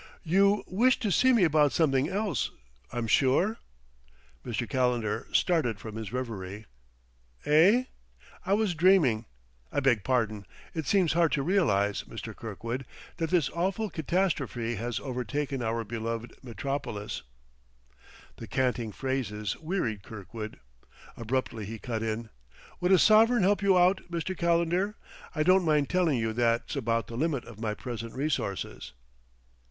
"You wished to see me about something else, I'm sure?" Mr. Calendar started from his reverie. "Eh? ... I was dreaming. I beg pardon. It seems hard to realize, Mr. Kirkwood, that this awful catastrophe has overtaken our beloved metropolis " The canting phrases wearied Kirkwood; abruptly he cut in. "Would a sovereign help you out, Mr. Calendar? I don't mind telling you that's about the limit of my present resources."